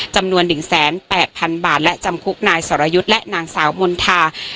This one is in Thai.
จำนวนหนึ่งแสนแปดพันบาทและจำคุกนายสวรรยุทธิ์และนางสาวมณฑา